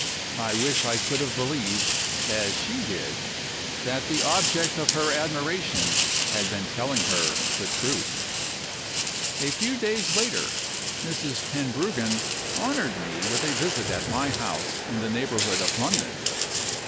I wish I could have believed, as she did, that the object of her admiration had been telling her the truth. A few days later, Mrs. Tenbruggen honored me with a visit at my house in the neighborhood of London.